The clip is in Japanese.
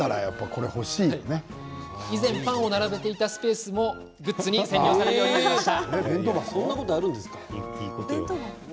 以前、パンを並べていたスペースもグッズに占領されるようになりました。